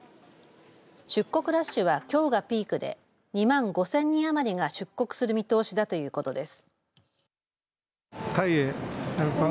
出国ラッシュはきょうがピークで２万５０００人余りが出国する見通しだということです。